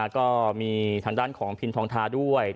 ก็มีทางด้านของพินทองทาด้วย